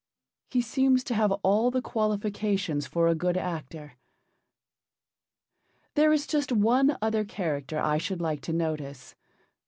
He seems to have all the qualifications for a good actor. There is just one other character I should like to notice.